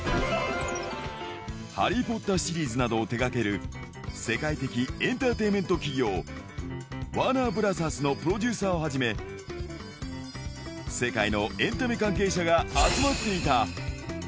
ハリー・ポッターシリーズなどを手がける世界的エンターテインメント企業、ワーナーブラザーズのプロデューサーをはじめ、世界のエンタメ関係者が集まっていた。